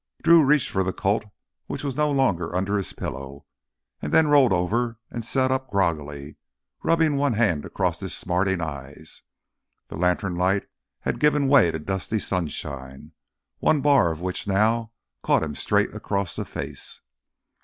Drew reached for a Colt which was no longer under his pillow and then rolled over and sat up groggily, rubbing one hand across his smarting eyes. The lantern light had given way to dusty sunshine, one bar of which now caught him straight across the face.